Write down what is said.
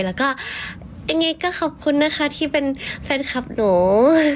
แล้วก็ยังไงก็ขอบคุณนะคะที่เป็นแฟนคลับหนู